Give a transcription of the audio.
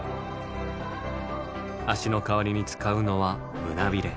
足の代わりに使うのは胸びれ。